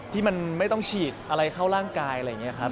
ที่มันไม่ต้องฉีดอะไรเข้าร่างกายอะไรอย่างนี้ครับ